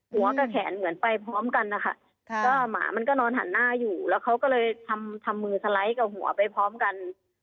หัวกับแขนเหมือนไปพร้อมกันนะคะก็หมามันก็นอนหันหน้าอยู่แล้วเขาก็เลยทำมือสไลด์กับหัวไปพร้อมกัน